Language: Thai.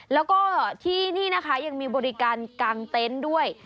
แล้วก็ที่นี่นะคะยังมีบริการกางเต็นต์ด้วย